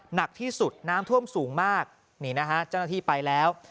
หนักที่สุดน้ำท่วมสูงมากนี่นะฮะเจ้าหน้าที่ไปแล้ว